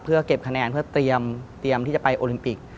เพื่อเก็บคะแนนเพื่อเตรียมที่จะไปโอลิมปิก